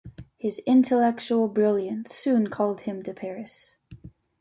His intellectual brilliance soon called him to Paris.